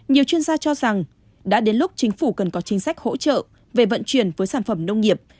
nhiều chuyên gia cho rằng đã đến lúc chính phủ cần có chính sách hỗ trợ về vận chuyển với sản phẩm nông nghiệp